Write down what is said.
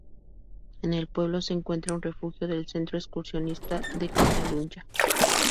En el pueblo se encuentra un refugio del centro excursionista de Catalunya.